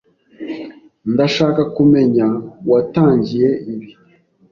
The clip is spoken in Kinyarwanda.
Ndashaka kumenya uwatangiye ibi.